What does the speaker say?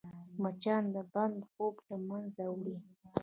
مچان د بنده خوب له منځه وړي